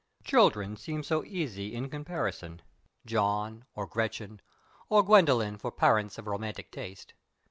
Children seem so easy in comparison John or Gretchen, or Gwendolyn for parents of romantic taste.